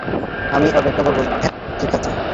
আমি অপেক্ষা করবো ধ্যাত ঠিক আছে।